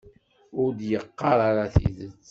Ur d-yeqqar ara tidet.